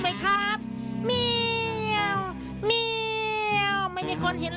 และคู่อย่างฉันวันนี้มีความสุขจริง